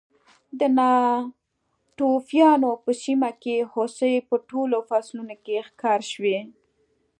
د ناتوفیانو په سیمه کې هوسۍ په ټولو فصلونو کې ښکار شوې.